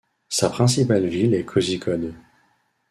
Sa principale ville est Kozhikode.